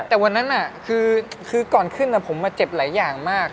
แต่วันนั้นคือก่อนขึ้นผมมาเจ็บหลายอย่างมาก